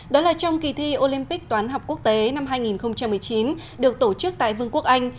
đó là trong kỳ thi olympic toán học quốc tế năm hai nghìn một mươi chín được tổ chức tại vương quốc anh